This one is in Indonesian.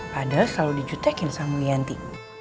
padahal selalu dijutekin sama mulyanti